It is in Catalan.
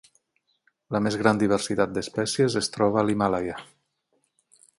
La més gran diversitat d'espècies es troba a l'Himàlaia.